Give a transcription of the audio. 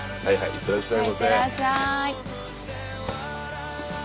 いってらっしゃい。